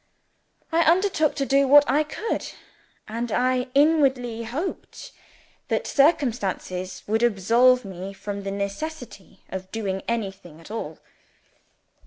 I undertook to do what I could and I inwardly hoped that circumstances would absolve me from the necessity of doing anything at all.